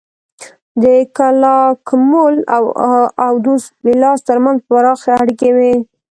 د کلاکمول او دوس پیلاس ترمنځ پراخې اړیکې وې